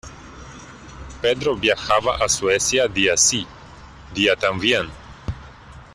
Pedro viajaba a Suecia día sí, día también.